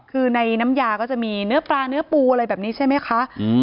คือในน้ำยาก็จะมีเนื้อปลาเนื้อปูอะไรแบบนี้ใช่ไหมคะ